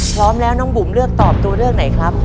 พร้อมแล้วน้องบุ๋มเลือกตอบตัวเลือกไหนครับ